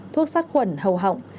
thuốc sát khuẩn hầu hỏng